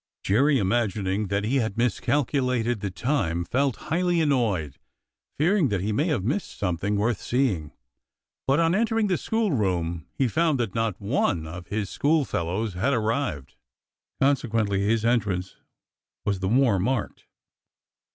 Jerry, imagining that he had miscalculated the time, felt highly annoyed, fearing that he may have missed something worth seeing; but on entering the school room he found that not one of his schoolfellows had ar rived; consequently his entrance was the more marked.